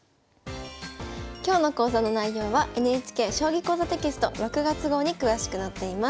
今日の講座の内容はＮＨＫ「将棋講座」テキスト６月号に詳しく載っています。